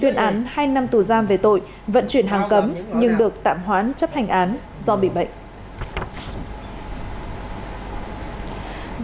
tuyên án hai năm tù giam về tội vận chuyển hàng cấm nhưng được tạm hoán chấp hành án do bị bệnh